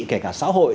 kể cả xã hội